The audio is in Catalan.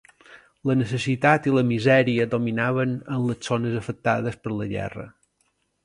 La necessitat i la misèria dominaven en les zones afectades per la guerra.